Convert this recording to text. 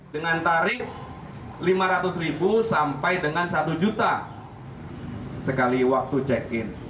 dengan tarif lima ratus ribu sampai dengan satu juta sekali waktu check in